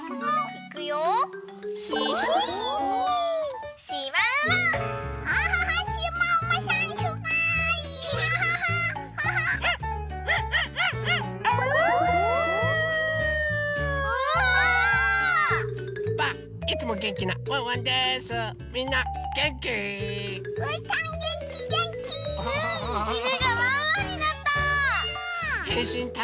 いぬがワンワンになった！